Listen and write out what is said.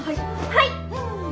はい！